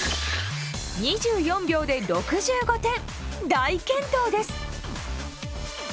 ２４秒で６５点大健闘です！